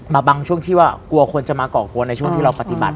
มาบังช่วงที่ว่ากลัวควรจะมาเกาะกลัวในช่วงที่เราปฏิบัติ